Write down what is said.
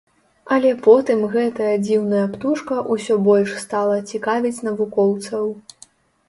Але потым гэтая дзіўная птушка ўсё больш стала цікавіць навукоўцаў.